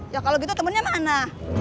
ya kalau gitu temennya mana